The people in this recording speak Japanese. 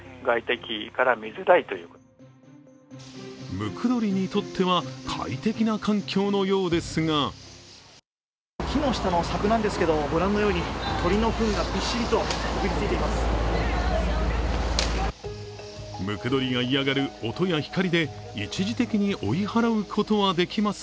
ムクドリにとっては快適な環境のようですが木の下の柵なんですけど、御覧のように鳥のフンがびっしりとこびりついています。